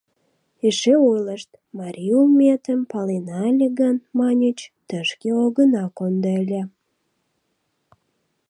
Эше ойлышт: «Марий улметым палена ыле гын, — маньыч, — тышке огына кондо ыле».